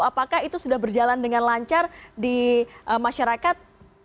apakah itu sudah berjalan dengan lancar di masyarakat